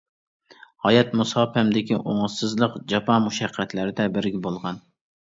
ھايات مۇساپەمدىكى ئوڭۇشسىزلىق، ، جاپا مۇشەققەتلەردە بىرگە بولغان.